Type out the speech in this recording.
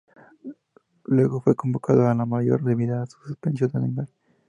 Luego fue convocado a la mayor debido a una suspensión de Neymar.